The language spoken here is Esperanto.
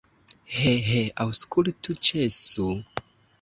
He, he, aŭskultu, ĉesu!